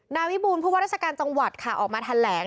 นายวิบูลผู้ว่าราชการจังหวัดค่ะออกมาแถลง